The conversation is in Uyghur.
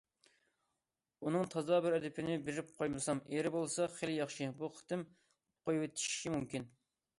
- ئۇنىڭ تازا بىر ئەدىپىنى بېرىپ قويمىسام، ئېرى بولسا خېلى ياخشى، بۇ قېتىم قويۇۋېتىشى مۇمكىن.